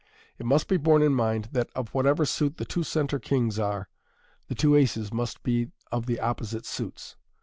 It must be borne in mind, that of whatever suit the two centre kings are, the two aces must be of the opposite suits.